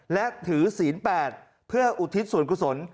และถือศีลแปดเพื่ออุทิศศวรกุศล